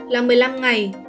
là một mươi năm ngày